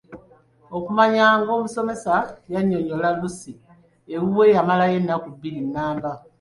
Okumanya ng’omusomesa yannyonnyola Lucky, ewuwe yamalayo ennaku bbiri nnamba.